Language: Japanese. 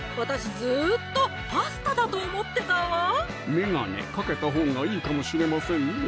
眼鏡かけたほうがいいかもしれませんね